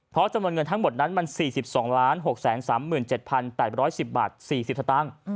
เพราะจำนวนเงินทั้งหมดนั้นมัน๔๒๖๓๗๘๑๐บาท๔๐สตางค์